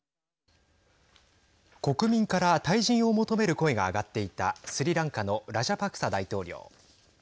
国民から退陣を求める声が上がっていたスリランカのラジャパクサ大統領。